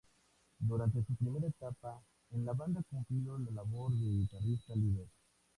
Durante su primera etapa en la banda cumplió la labor de guitarrista líder.